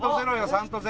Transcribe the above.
３と０。